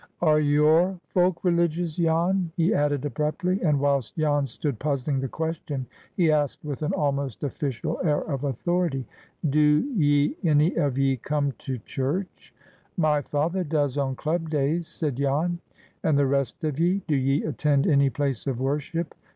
"Are your folk religious, Jan?" he added, abruptly. And whilst Jan stood puzzling the question, he asked with an almost official air of authority, "Do ye any of ye come to church?" "My father does on club days," said Jan. "And the rest of ye,—do ye attend any place of worship?"